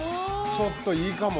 ちょっといいかも。